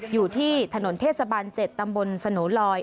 อยู่ที่ถนนเทศบาล๗ตำบลสโนลอย